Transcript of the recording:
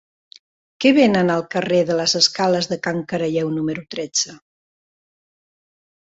Què venen al carrer de les Escales de Can Caralleu número tretze?